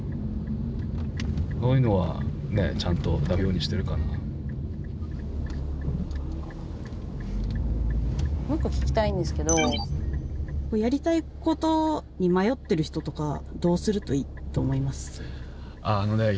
持って生まれたもう一個聞きたいんですけどやりたいことに迷ってる人とかどうするといいと思います？